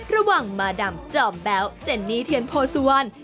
ระหว่างมาด่ำจอบแบบเจนนี่เทียนโพสัวน